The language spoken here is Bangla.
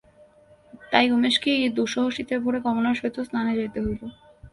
তাই উমেশকেই এই দুঃসহ শীতের ভোরে কমলার সহিত স্নানে যাইতে হইল।